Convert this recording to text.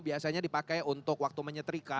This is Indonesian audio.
biasanya dipakai untuk waktu menyetrika